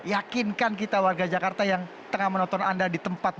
yakinkan kita warga jakarta yang tengah menonton anda di tempat